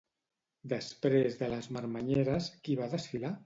Després de les marmanyeres, qui va desfilar?